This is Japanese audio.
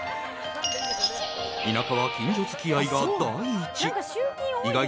田舎は近所付き合いが第一。